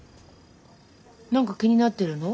何か気になってるの？